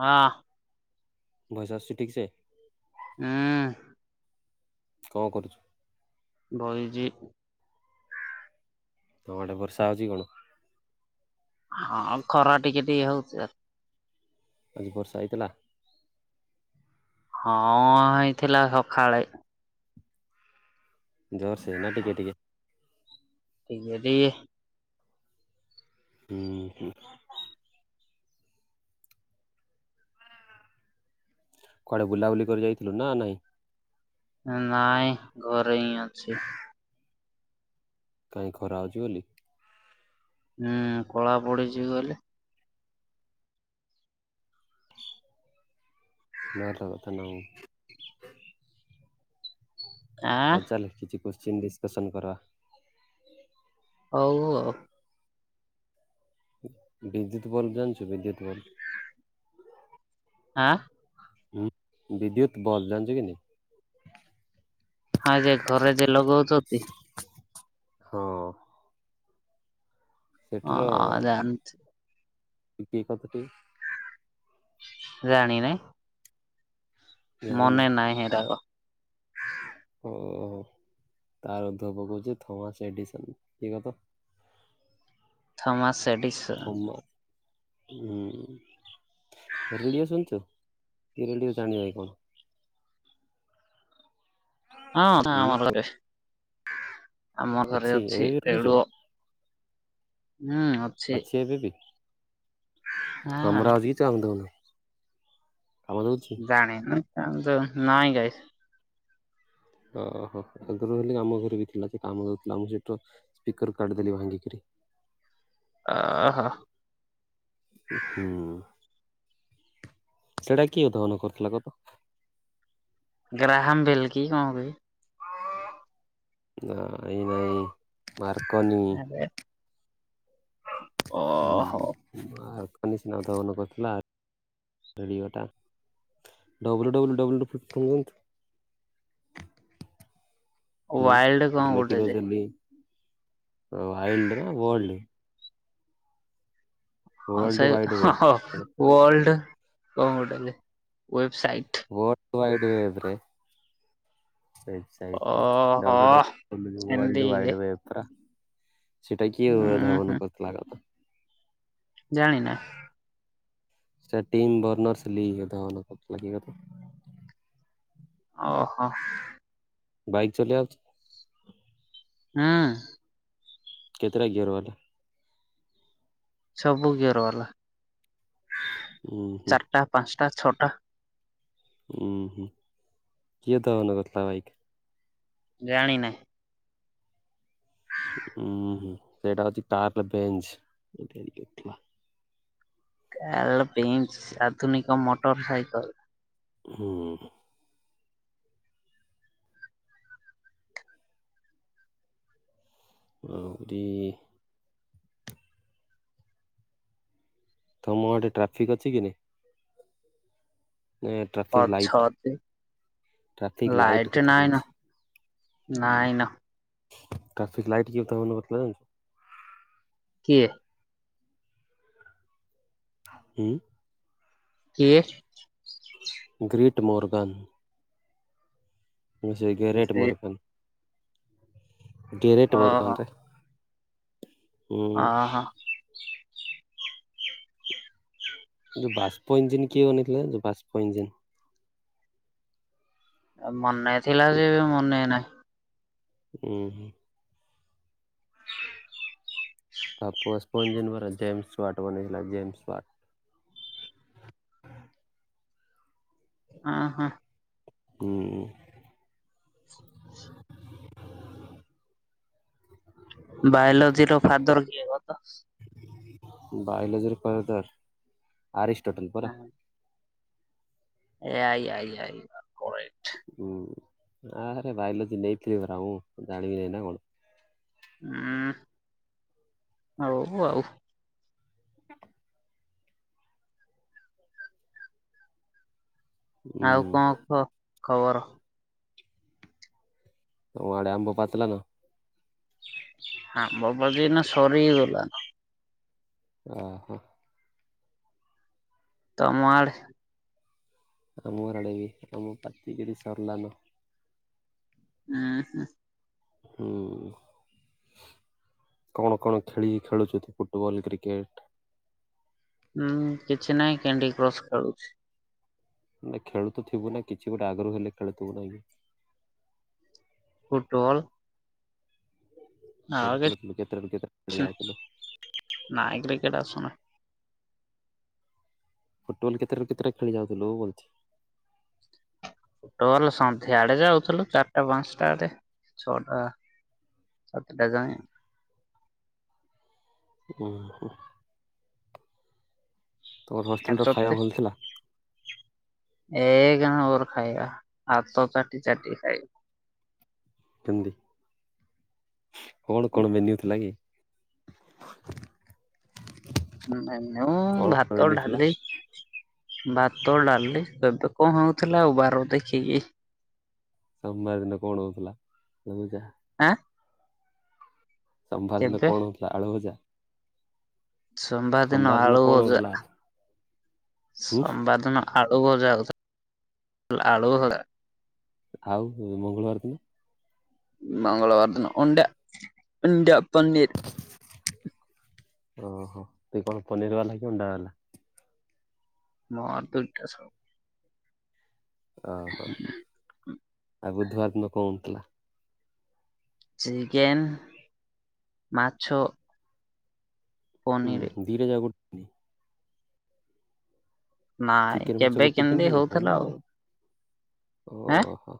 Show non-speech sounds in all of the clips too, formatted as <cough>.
ହଁ। ଭଏସ୍ ଆସୁଛି ଠିକସେ? ହୁଁ କଣ କରୁଚୁ? ବଇଚି। ତମ ଆଡେ ବର୍ଷା ହଉଛି କଣ? ହଁ ଖରା ଟିକେ ଟିକେ ହଉଚି ଆଉ। ଆଜି ବର୍ଷା ହେଇଥିଲା? ହଁ ହେଇଥିଲା ସକାଳେ। ଜୋର ସେ, ନା ଟିକେ ଟିକେ? ଟିକେ ଟିକେ। ହୁଁ ଉଁ ହୁଁ କୁଆଡେ ବୁଲାବୁଲି କରି ଯାଇଥିଲୁ? ନା ନାଇଁ? ନାଇଁ, ଘରେ ହିଁ ଅଛି। କାଇଁ ଖରା ହଉଚି ବୋଲି? ହୁଁ, କଳା ପଡିଯିବି ଗଲେ। ଭଲକଥା <unintelligible> ଆଁ ଆଉ ଚାଲ୍ <unintelligible> କୋଶ୍ଚିନ୍ ଡିସ୍କସନ୍ କରିବା। ହଉ ଆଉ। ବିଦ୍ୟୁତ୍ ବଲ ଜାଣିଚୁ, ବିଦ୍ୟୁତ୍ ବଲ? ଆଁ ହୁଁ, ବିଦ୍ୟୁତ ବଲ୍ ଜାଣିଛୁ କି ନାଇଁ? ହଁ ଯେ ଘରେ ଯେ ଲଗଉଚନ୍ତି? ହଁ। ହ ସେଠିର ଅ ଜାଣି <unintelligible> ଜାଣିିନ? ଜାଣିନ ମନେ ନାହିଁ ହେରକ୍। ଓ ହୋ। ତାର ଅଧ୍ୟ ପକହୁଛି ଥମାସ ଏଡିସନ <unintelligible> ଥମାସ୍ ସେଡ଼ିସନ୍ ଥମା ହୁଁ ଉ, ରେଡିଓ ଶୁଣିଛୁ, ଇଏ ରେଡିଓ ଜାଣିନେଇ କଣ? ହଁ ହ ହୁଁ ଆମ ଘରେ, ଆମ ଘରେ ଏବେ ଅଛି ବି ରଖିଛୁ? ରେଡୁଅ। ହୁଁ, ଅ ଅଛି ଏବେ ବି? <unintelligible> ହଁ <unintelligible> ଦଉନ, କାମ ଦଉଚି? ପାଣି <unintelligible> ନାଇଁ <unintelligible> ଓହୋ, ଆଗରୁ ହେ ଆମ ଘରେ ବି ଥିଲା, ସେ କାମ କରୁଥିଲା, ମୁଁ ସେଠିର ସ୍ପିକର କାଢିଦେଲି ଭାଙ୍ଗିକରି। ଓ ଓ ହ ହୁଁ, ସେଇଟା କିଏ ଉଦ୍ଭାବନ କରିଥିଲା କ ତ? ଗ୍ରାହାମ୍ ବେଲ କି, କଣ କ? ନାଇଁ ନାଇଁ ମାର୍କନି। ଆରେ ହୁଁ, ଓହୋ ମାର୍କୋନି ସିନା ଉଦ୍ଭାବନ କରିଥିଲା। ରେଡ଼ିଓଟା, ଡବ୍ଲ୍ୟୁ ଡବ୍ଲ୍ୟୁ ଡବ୍ଲୁ <unintelligible> ନିଅନ୍ତୁ। ହୁଁ, ୱାଇଲ୍ଡ କଣ ଗୋଟେ ଯେ ଲେଖିଦଉଚି ଏ ଲି, ଆଇଲିଡ଼ ନା ୱାଲଡ? ହଁ ୱାର୍ଲଡ ସେ ୱାଇଡ ୱେବ ୱଲଡ, କଣ <unintelligible> ୱେବସାଇଟ୍। ବୋଡୱାଇଡ଼େବ୍ରେ। ଡବ୍ଲୁ ଓହୋ ଡ଼ବ୍ଲୁ ଏମିତିରେ ୱଲଡୱାଇଡ ଆପ ପା। ସେଇଟା ଉଁ କିଏ ହୁଁ ଧବନ କରିଥିଲା କଥା। ଜାଣିନା। ସେ ଟିମ୍ ବର୍ନର୍ସ ଲିଗ ଲାଗି କଥା। ଓହୋ। ବାଇକ୍ ଚଲେଇ ଆଉ ହୁଁ। କେତେଟା ଗିୟର ଵାଲା। ସବୁ ଗୀୟର ବାଲା। ଉଁ ହୁଁ। ଚାରିଟା ପାଞ୍ଚଟା ଛଅଟା। ଉଁ ହୁଁ କିଏ ଦହନ କରିଥିଲା ଭାଇକି? ଜାଣି ନାହିଁ। ଉଁ ହୁଁ ସେଇଟା ହଉଛି କାର ବେଞ୍ଚ କାରପିଞ୍ଚ ଆଧୁନିକ ମୋଟର ସାଇକେଲ। ହୁଁ। ଆହୁରି। ତମ ଆଡେ ଟ୍ରାଫିକ୍ ଅଛି କି ନାହିଁ। ଟ୍ରାଫିକ୍ ଲାଇଟ୍ ଅଛତି ଟ୍ରାଫିକ୍ ଲାଇଟ୍ ଲାଇଟ କଥା ନାଇଁ କହୁଛି। ନା। ନାଇଁ ନା। ଟ୍ରାଫିକ ଲାଇଟ କିଏ ତମେ ଲଗେଇଥିଲ ଯାଇକି। କିଏ। ଉଁ। କିଏ? ଗ୍ରିଟ ମର୍ଗନ୍। ଗ୍ୟାରେଟ କିଏ ଓହୋ ବର୍ଗନ। ଆ ହଁ। ଯୋଉ ବାଷ୍ପ ଇଞ୍ଜିିନ କିଏ ବାନେଇଥିଲା ଜାଣିଛ ବାଷ୍ପ ଇଞ୍ଜିିନ ଆ ମନେ ଥିଲା ଯେ ମନେ ନାହିଁ। ଉଁ ହୁଁ। ତା ପୁଅ ସ୍ପିନର ଜେମ୍ ୱାଟ ବନେଇଥିଲା ଜେମ୍ ୱାଟ। ଉଁ ହୁଁ। ହୁଁ। ବାୟୋଲୋଜିର ଫାଦର କିଏ କହ ତ? ବାୟୋଲୋଜିର ଫାଦର ଆରିଷ୍ଟ ଟଟଲ ପରା। ଏଆଇ ଆଇ ଆଇ କରେକ୍ଟ ହୁଁ ଆରେ ବାୟୋଲୋଜି ନେଇଥିଲିି ପରା ମୁଁ ଜାଣିବି ନାଇଁ ନା କଣ। ହୁଁ ହଉ ଆଉ। <unintelligible> ଆଉ କଣ କହ ଖବର। ତମ ଆଡେ ଆମ୍ବ ପାଚଲା ନା। ଆମ୍ବ ବଗି ନା ସରିଗଲା। ଓହୋ। ତମ ଆଡେ। ଆମର ଆଡ଼େ ବି <unintelligible> ସରିଲାନ। <unintelligible> ହୁଁ। କଣ କଣ ଖେଳି ଖେଳୁଛନ୍ତି ଫୁଟବଲ୍ କ୍ରିକେଟ୍? ହୁଁ କିଛି ନାହିଁ କ୍ୟାଣ୍ଡି କ୍ରସ୍ ଖାଳୁଛି। ନାଁ ଖେଳୁଥ ଥିବୁ ନାଁ କିଛି ଗୋଟେ ଆଗରୁ ହେଲେ ଖେଳୁଥିବୁ ନାହିଁକି? ଫୁଟୁବଲ୍। ଟୁବଲ୍ ଖେଳୁଥିଲୁ କେତେଟାରୁ କେତେଟା ହାଡ଼େ କିଛି ଯାଉଥିଲୁ? ନାଇଁ କ୍ରିକେଟ୍ ଆସୁନ। ଫୁଟବଲ୍ କେତେଟାରୁ କେତେଟା ଖେଳି ଯାଉଥିଲୁ ବୁହୁଛି? ଟବଲ୍ ସନ୍ଧ୍ୟାଆଡ଼େ ଯାଉଥିଲୁ ଚାରିଟା ପାଞ୍ଚଟ ଟାରେ ଛଅଟା ସାତଟା ଯାଏଁ। ଉଁ ହୁଁ। ତମ ଆଉ ହଷ୍ଟେଲ୍ ର ଖାଇବା ତତେ ଭଲ ଥିଲା? ଏକ ନମ୍ବର ଖାଇବା ହାତ ଚାଟି ଚାଟି ଖାଇବ। କେମିତି କଣ କଣ ମେନ୍ୟୁ ଥିଲା କି? <inaudible> ମେନ୍ୟୁ କଣ କଣ ଭାତ ମେନ୍ୟୁ ଥିଲା? ଢାଲି। ଭାତ ଡାଲି ଏବେ କଣ ହଉଥିଲା ଆଉ ବାର ଦେଖିକି। ସୋମବାର ଦିନ କଣ ହଉଥିଲା <unintelligible> ଆଁ? ସୋମବାର ଦିନ କେବେ କଣ ହେଉଥିଲା ଆଳୁଭଜା? ସୋମବାର ଦିନ ଆଳୁ କଣ ଭଜା ହଉଥିଲା ଉଁ ସୋମବାର ଦିନ। ଆଳୁ ଭଜା <unintelligible> ଆଳୁ ଭଜା। ଆଉ ମଙ୍ଗଳବାର ଦିନ? ମଙ୍ଗଳବାର ଦିନ ଅଣ୍ଡା ଅଣ୍ଡା ପନୀର୍। ଓହୋ ତୁ କଣ ପନିର୍ ବାଲା କି ଅଣ୍ଡା ବାଲା? ମର ଦୁଇଟା ସ ଓହୋ ଆଉ ବୁଧବାର ଦିନ କଣ ହଉଥିଲା? ଚିକେନ୍ ମାଛ। ଉଁ ପନିର ହୁଁ ଦିଇଟା ଯାକ କରୁ ନ୍ତି। ନାଇଁ ଚିକେନ୍ ମାଛ କେବେ ଗୋଟେ ଦିନ କେମିତି ହେଇଯାଇଥିଲା ହଉଥିଲା ନା ଆଉ ଆଁ ଓହୋ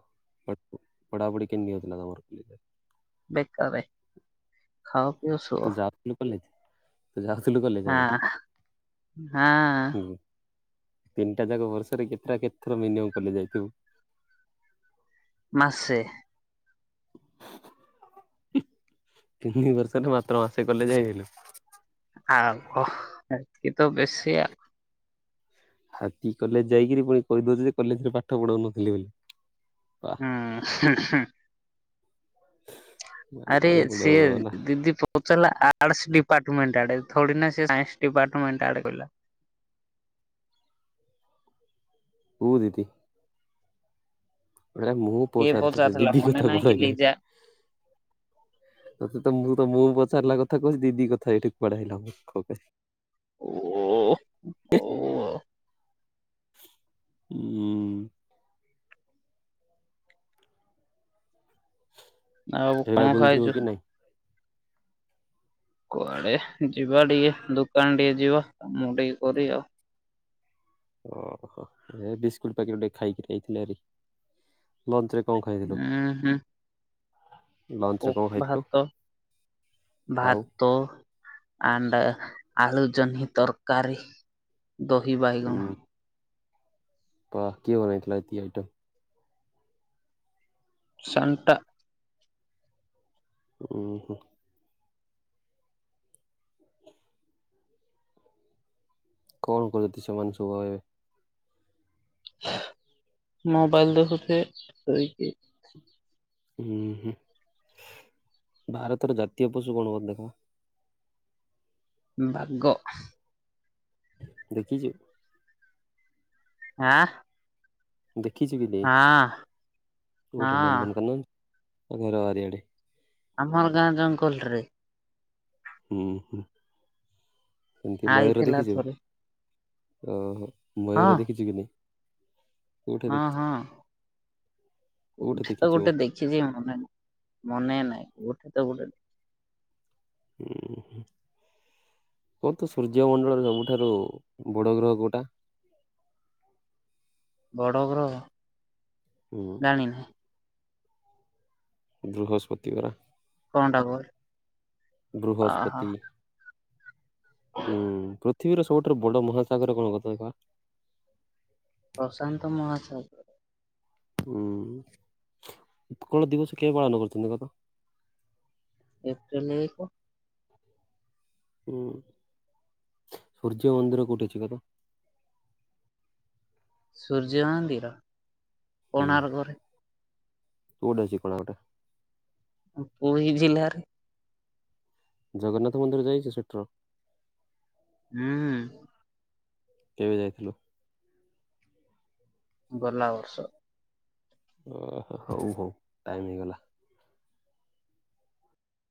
<unintelligible> ବେକାରରେ ଖାଅ ପିଅ ଶୁଅ। କଲେଜ୍ ତ ଯାଉଥିଲୁ କଲେଜ ଆଗ ହଁ ହଁ ହୁ। ତିନିଟା ଯାକ ଭରଷା ରେ କେତେଟା କେତେଥର ମିନିମମ୍ କଲେଜ୍ ଯାଇଥିବୁ? ମାସେ। <unintelligible> ମାତ୍ର ମାସେ କଲେଜ ହେଇଗଲୁ। ଆଉ କ ଏଠି ତ ବେଶୀ ଆ ହାତୀ କଲେଜ ଯାଇକିରି ପୁଣି କହିଦଉଛି ଯେ କଲେଜ ରେ ପାଠ ପଢ଼ଉନଥିଲେ ବୋଲି। ବା ହୁଁ <unintelligible> ଆରେ ମାନିବାକୁ ପଡିବ ସିଏ ନା ଦିଦି ପ ପଚାରିଲା ଆର୍ଟସ ଡିପାର୍ଟମେଣ୍ଟ ଆଡ଼େ ଥୋଡ଼ି ନାଁ ସେ ସାଇନ୍ସ ଡିପାର୍ଟମେଣ୍ଟ ଆଡ଼େ କହିଲା। କୁହ ଦିଦି ଏଡ଼ା ମୁଁ କିଏ ପଚାରିଥିଲି ପଚାରିଥିଲା ଦିଦି ମନେ କଥା ନାହିଁ କି କଳେଇଲେ। ଲିଜା ତତେ ତ ମୁଁ ତ ମୁଁ ପଚାରିଲା କଥା କହୁଛିି ଦିଦି କଥା ଏଇଠି କୁଆଡେ ଆଇଲା କ ଏବେ। ଓ ଓଉ। ଉଁ। ଆଉ କଣ ଏଇପାଳି ବୁଲଯିବ ଖାଇଛୁ? କି ନାଇଁ? କୁଆଡେ ଯିବା ଟିକେ ଦୋକାନ ଟିକେ ଯିବା ମୁଁ ଟିକେ କରି ଆଉ। ଓହୋ ବିସ୍କୁଟ ପକିଟ ଟିକେ ଖାଇକି ଯାଇଥିଲେ ହରି ଲଞ୍ଚରେ ଉଁ ହୁଁ। ଲଞ୍ଚ ରେ ଓପ୍ କଣ ଖାଇଥିଲୁ ଭାତ ଆଉ ଭାତ୍ ତ ଆଣ୍ଡ ଆଳୁ ଜହ୍ନୀ ତରକାରୀ ଦହି ବାଇଗଣ। ପା କିଏ ବନେଇଥିଲା ଏତି ଆଇଟମ୍? ସଣ୍ଟା। ଉଁ ହୁଁ। କଣ କରଦି ସେ ମାନେ ସବୁ ଏବେ? ମୋବାଇଲ ଦେଖୁଥିବେ ସୋଇକି ଉଁ ହୁଁ ଭାରତର ଜାତୀୟ ପଶୁ କଣ ହବ ଦେଖ? ବାଗ। ଦେଖିଚୁ? ହାଆଁ। ଦେଖିଛି ବି ନେଇ କୋଠି ହଁ ନନ୍ଦନ କାନନ ନା ଘର ବାରିଆଡେ? ଆମର ଗାଁ ଜଙ୍ଗଲ ରେ। ଉଁ ହୁଁ ସେମିତି ମୟୂର ଆଇଥିଲା ଦେଖିଚୁ? ଥରେ ଓହୋ ହଁ ମୟୂର ଦେଖିଚୁ କି ନାଇଁ? କୋଉଠି ହଁ ଦେଖିଛୁ ହଁ କୋଉଠି କୋଠେ ତ ଦେଖିଛୁ ଉଁ ଗୋଟେ ଦେ ଖିଥିବି ମନେ ନାହିଁ ମନେ ନାହିଁ କୋଟେ ତ ଗୋଟେ ଉଁ। କହ ତ ସୂର୍ଯ୍ୟ ମଣ୍ଡଳରେ ସବୁଠାରୁ ବଡ ଗ୍ରହ କୋଟା? ବଡ଼ ଗ୍ରହ? ହୁଁ। ଜାଣିନି। ବୃହସ୍ପତିି ପରା କଣଟା କୁହେ ଅହୋ ବୃହସ୍ପତି। ହୁଁ ପୃଥିବୀର ସବୁଠାରୁ ବଡ ମହାସାଗର କଣ କଥଇବା? ପ୍ରଶାନ୍ତ ମହାସାଗର। ଉଁ ଉତ୍କଳ ଦିବସ କେବେ ପାଳନ କରିଛନ୍ତି କତ? ଏପ୍ରେଲ ଏକ। ଉଁ ସୂର୍ଯ୍ୟ ମନ୍ଦିର କୋଠି ଅଛି କତ? ସୂର୍ଯ୍ୟ ମନ୍ଦିର କୋଣାର୍କରେ। କୋଠେ ଅଛି କୋଣାର୍କ ଟା? ପୁରୀ ଜିଲ୍ଲାରେ। ଜଗନ୍ନାଥ ମନ୍ଦିର ଯାଇଚ ସେଠାର? ହୁଁ। କେବେ ଯାଇଥିଲ? ଗଲା ବର୍ଷ। ଓ ହଉ ହଉ ଟାଇମ ହେଇଗଲା।